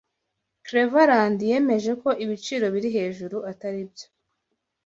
Cleveland yemeje ko ibiciro biri hejuru atari byo.